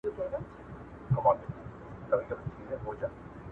د مارغه پر پسې را درومي نخلستان ته راشي